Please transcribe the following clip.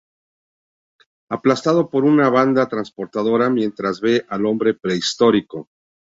Aplastado por una banda transportadora mientras ve al "Hombre prehistórico".